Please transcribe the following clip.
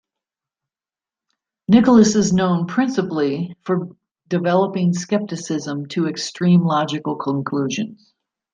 Nicholas is known principally for developing skepticism to extreme logical conclusions.